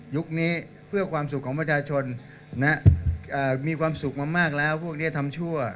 นี้เพื่อความสุขของประชาชนมีความสุขมามากแล้วพวกนี้ทำชั่ว